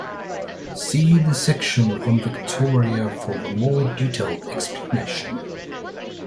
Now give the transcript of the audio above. See the section on Victoria for a more detailed explanation.